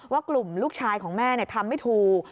ว่ากลุ่มลูกชายของแม่ทำไม่ถูก